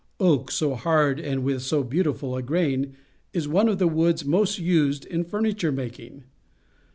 Oak, so hard and with 8o beautiful a grain, is one of the woods most used in furniture making.